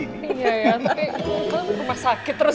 iya ya tapi ke rumah sakit terus